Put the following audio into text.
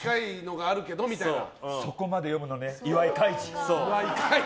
そこまで読むのね岩井カイジ。